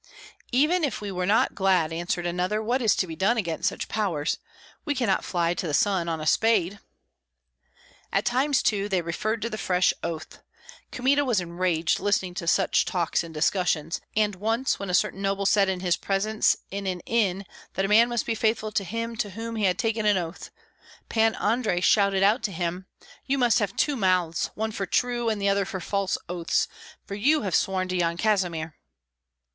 "Even if we were not glad," answered another, "what is to be done against such power? We cannot fly to the sun on a spade." At times, too, they referred to the fresh oath. Kmita was enraged listening to such talks and discussions; and once when a certain noble said in his presence in an inn that a man must be faithful to him to whom he had taken oath. Pan Andrei shouted out to him, "You must have two mouths, one for true and the other for false oaths, for you have sworn to Yan Kazimir!"